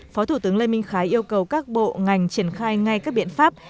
phó thủ tướng lê minh khái yêu cầu các bộ ngành triển khai ngay các biện pháp